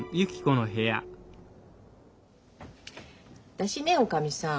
私ねおかみさん